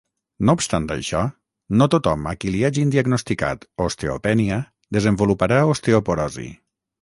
No obstant això, no tothom a qui li hagin diagnosticat osteopènia desenvoluparà osteoporosi.